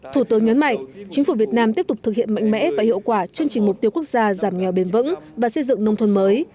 thủ tướng nhấn mạnh chính phủ việt nam tiếp tục thực hiện mạnh mẽ và hiệu quả chương trình mục tiêu quốc gia giảm nghèo bền vững và xây dựng nông thôn mới